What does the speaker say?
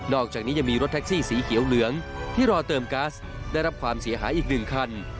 อกจากนี้ยังมีรถแท็กซี่สีเขียวเหลืองที่รอเติมกัสได้รับความเสียหายอีกหนึ่งคัน